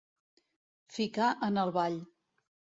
Ficar en el ball.